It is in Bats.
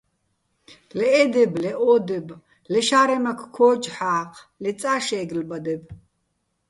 ლე ე დებ, ლე ო დებ, ლე შა́რემაქ ქო́ჯო̆ ჰ̦ა́ჴ, ლე წა შე́გლბადებ.